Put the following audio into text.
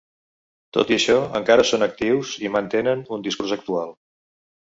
Tot i això, encara són actius i mantenen un discurs actual.